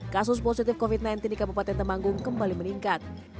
kasus positif covid sembilan belas di kabupaten temanggung kembali meningkat